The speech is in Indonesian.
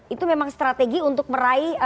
itu memang strategi untuk meraih